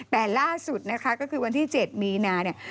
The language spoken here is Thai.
แต่ล่าสุดนะคะก็คือวันที่๗มีนาเนี่ย